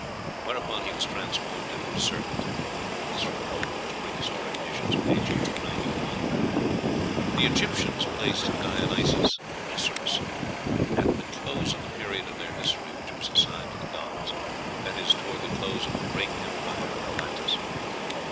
"whereupon he was transformed into a serpent." (Baldwin's "Prehistoric Nations," p. 291.) The Egyptians placed Dionysos (Osiris) at the close of the period of their history which was assigned to the gods, that is, toward the close of the great empire of Atlantis.